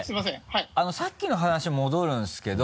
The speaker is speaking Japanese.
さっきの話戻るんですけど。